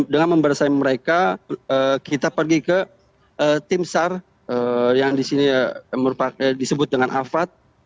dengan memberasain mereka kita pergi ke tim sar yang disebut dengan afad